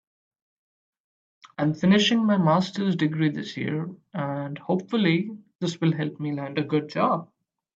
I'm finishing my masters degree this year and hopefully this will help me land a good job.